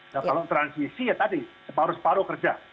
nah kalau transisi ya tadi separuh separuh kerja